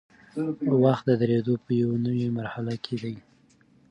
وخت د درېدو په یوې نوي مرحله کې دی.